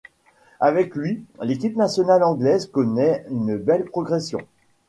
Avec lui, l'équipe nationale anglaise connaît une belle progression.